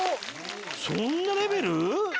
そんなレベル？